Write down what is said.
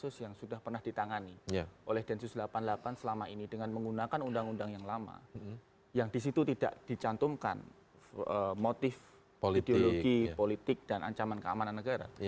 undang yang lama yang di situ tidak dicantumkan motif ideologi politik dan ancaman keamanan negara